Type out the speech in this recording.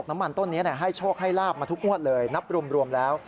อ๋อมันชัดเลยนะ